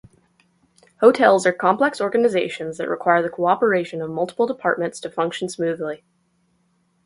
Hotels are complex organizations that require the cooperation of multiple departments to function smoothly.